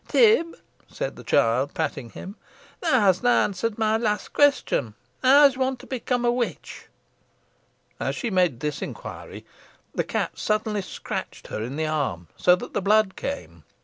"Tib," said the child, patting him, "thou hasna answered my last question how is one to become a witch?" As she made this inquiry the cat suddenly scratched her in the arm, so that the blood came.